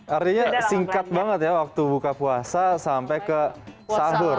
artinya singkat banget ya waktu buka puasa sampai ke sahur